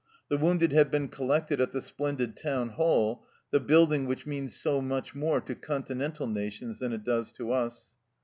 The wounded had been collected at the splendid Town Hall, the building which means so much more to Continental nations than it does to us.